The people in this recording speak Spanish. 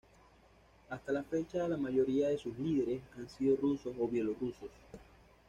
Hasta la fecha, la mayoría de sus líderes han sido rusos o bielorrusos.